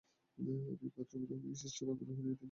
আমি বাথরুমের locking system আগ্রহ নিয়ে দেখলাম।